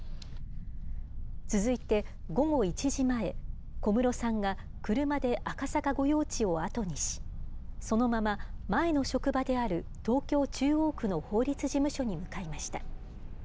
続いて午後１時前、小室さんが車で赤坂御用地を後にし、そのまま前の職場である東京・中央区の法律事務所に向かいました。